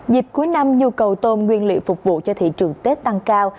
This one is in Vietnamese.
dịp cuối năm nhu cầu tôm nguyên liệu phục vụ cho thị trường tết tăng cao